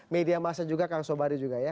media masa juga kang sobari juga ya